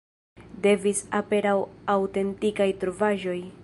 Devis aperi aŭtentikaj trovaĵoj.